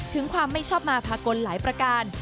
ถึงความไม่ชอบมาภากลหลายประการ